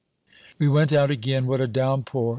"We went out again. What a downpour!